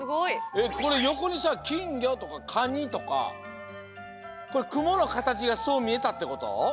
えっこれよこにさ「きんぎょ」とか「かに」とかこれくものかたちがそうみえたってこと？